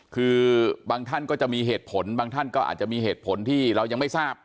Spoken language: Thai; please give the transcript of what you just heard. คือบางท่านก็จะมีเหตุผลบางท่านก็อาจจะมีเหตุผลที่เรายังไม่ทราบ